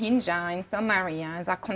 yang terpencil di wilayah mereka